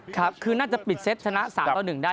ครับคือน่าจะปิดเซตชนะ๓ต่อ๑ได้